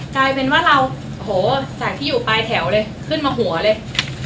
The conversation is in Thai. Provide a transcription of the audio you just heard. กลายเป็นว่าเราโหจากที่อยู่ปลายแถวเลยขึ้นมาหัวเลย